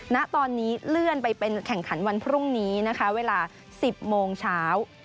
ณตอนนี้เลื่อนไปเป็นแข่งขันวันพรุ่งนี้นะคะเวลา๑๐โมงเช้า